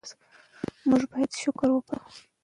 موږ باید شکر وباسو.